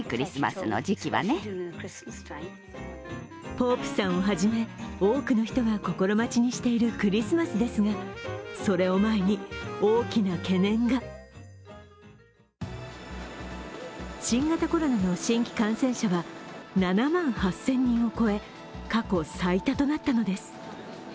ポープさんをはじめ多くの人が心待ちにしているクリスマスですがそれを前に、大きな懸念が。新型コロナの新規感染者は７万８０００人を超え、過去最多となったのです。